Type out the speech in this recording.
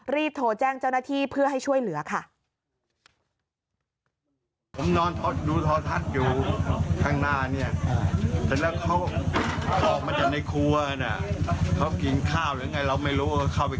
รีบโทรแจ้งเจ้าหน้าที่เพื่อให้ช่วยเหลือค่ะ